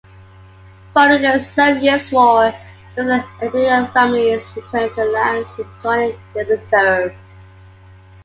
Following the Seven Years' War, several Acadian families returned to lands adjoining the reserve.